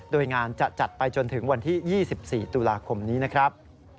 โดยงานจะจัดไปจนถึงวันที่๒๔ตุลาคมนี้นะครับ